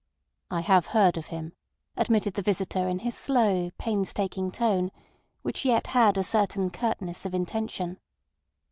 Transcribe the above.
"I have heard of him," admitted the visitor in his slow, painstaking tone, which yet had a certain curtness of intention.